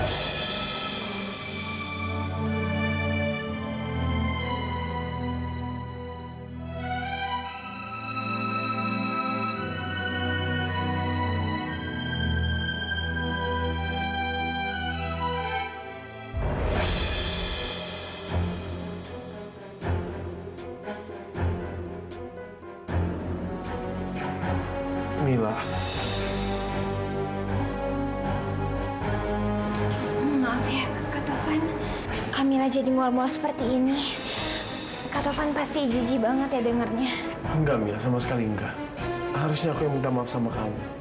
sampai jumpa di video selanjutnya